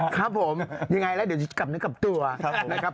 ครับผมยังไงแล้วเดี๋ยวกลับเนื้อกลับตัวนะครับ